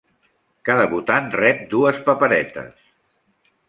Cada votant rep dues paperetes.